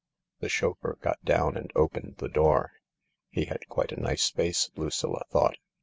The chauffeur got down and opened the door. He had quite a nice face, Lucilla thought.